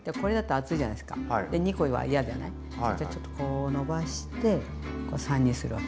そしたらちょっとこう伸ばして３にするわけ。